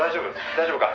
大丈夫か？」